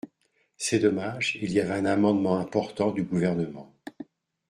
C’est dommage, il y avait un amendement important du Gouvernement.